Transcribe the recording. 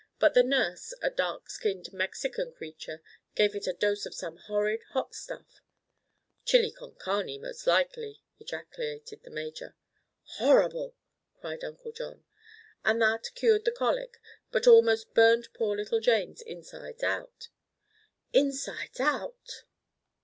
But the nurse, a dark skinned Mexican creature, gave it a dose of some horrid hot stuff—" "Chile con carne, most likely!" ejaculated the major. "Horrible!" cried Uncle John. "And that cured the colic but almost burned poor little Jane's insides out." "Insides out!"